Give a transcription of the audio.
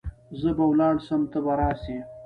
زه به ولاړ سم ته به راسي .